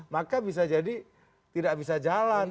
maka bisa jadi tidak bisa jalan